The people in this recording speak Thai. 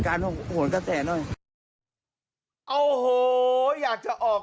แค่พระเมียมาจอด